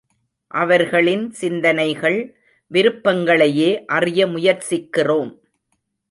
அவர்களின் சிந்தனைகள், விருப்பங்களையே அறிய முயற்சிக்கிறோம்.